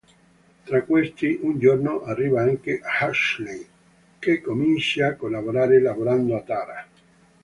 Tra questi un giorno arriva anche Ashley, che comincia a collaborare lavorando a Tara.